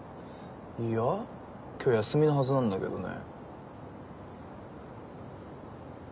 いや今日休みのはずなんだけどね。